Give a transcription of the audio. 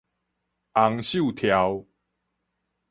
洪秀柱